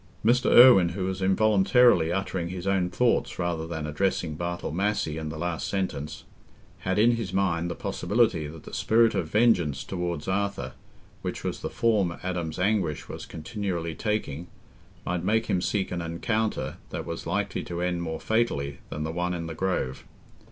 Mr. Irwine, who was involuntarily uttering his own thoughts rather than addressing Bartle Massey in the last sentence, had in his mind the possibility that the spirit of vengeance towards Arthur, which was the form Adam's anguish was continually taking, might make him seek an encounter that was likely to end more fatally than the one in the Grove.